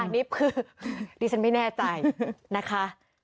นี่คือดิฉันไม่แน่ใจนะคะ